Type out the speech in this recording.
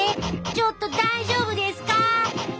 ちょっと大丈夫ですか？